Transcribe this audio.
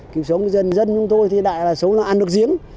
kiếp sống của dân dân chúng tôi thì đại là sống là ăn được giếng